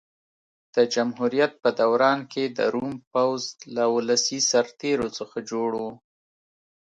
د جمهوریت په دوران کې د روم پوځ له ولسي سرتېرو څخه جوړ و.